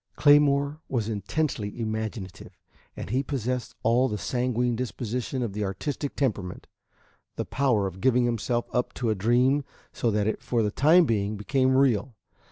III Claymore was intensely imaginative, and he possessed all the sanguine disposition of the artistic temperament, the power of giving himself up to a dream so that it for the time being became real.